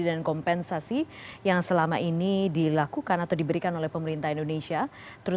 wassalamualaikum warahmatullahi wabarakatuh